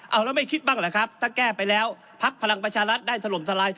เอาแล้วไม่คิดบ้างเหรอครับถ้าแก้ไปแล้วพักพลังประชารัฐได้ถล่มทลาย